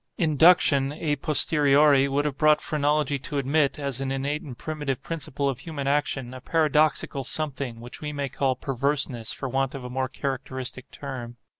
Induction, a posteriori, would have brought phrenology to admit, as an innate and primitive principle of human action, a paradoxical something, which we may call perverseness, for want of a more characteristic term.